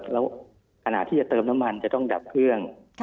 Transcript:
แล้วขณะที่จะเติมน้ำมันจะต้องดับเครื่อง